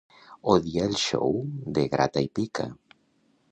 Odia el xou de Grata i Pica.